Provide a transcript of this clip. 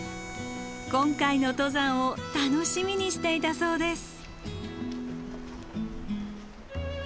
今回の登山を楽しみにしていたそうです。